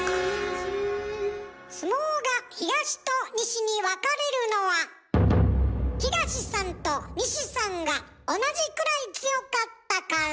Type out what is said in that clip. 相撲が東と西に分かれるのは東さんと西さんが同じくらい強かったから。